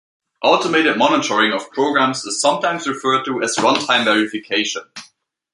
Automated monitoring of programs is sometimes referred to as runtime verification.